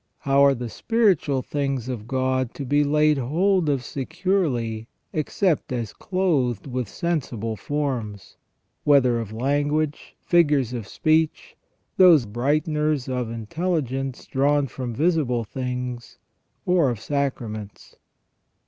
How are the spiritual things of God to be laid hold of securely except as clothed with sensible forms, whether of language, figures of speech — those brighteners of intelligence drawn from visible things — or of sacraments?